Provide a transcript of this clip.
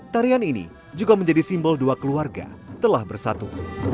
tarian ini juga menjadi simbol dua keluarga telah bersatu